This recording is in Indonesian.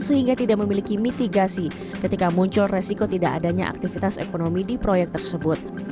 sehingga tidak memiliki mitigasi ketika muncul resiko tidak adanya aktivitas ekonomi di proyek tersebut